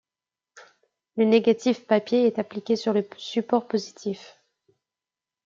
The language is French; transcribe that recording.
Le négatif papier est appliqué sur le support positif.